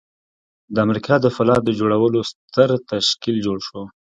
د امریکا د پولاد جوړولو ستر تشکیل جوړ شو